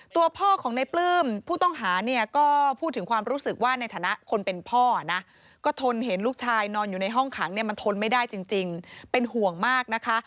ตัวพ่อของในปลื้มผู้ต้องหาเนี่ยก็พูดถึงความรู้สึกว่าในฐานะคนเป็นพ่อนะก็ทนเห็นลูกชายนอนอยู่ในห้องขังเนี่ยมันทนไม่ได้จริงเป็นห่วงมากนะคะ